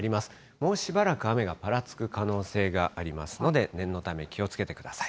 もうしばらく雨がぱらつく可能性がありますので、念のため気をつけてください。